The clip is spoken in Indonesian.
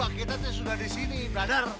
pak gita tuh sudah di sini brother